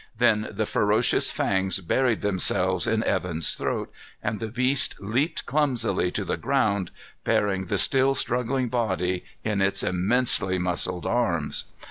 Then the ferocious fangs buried themselves in Evan's throat and the beast leaped clumsily to the ground, bearing the still struggling body in its immensely muscled arms.